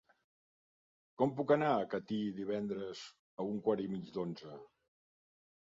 Com puc anar a Catí divendres a un quart i mig d'onze?